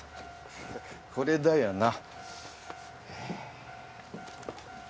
これだよな。